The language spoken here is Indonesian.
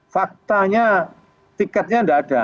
faktanya tiketnya tidak ada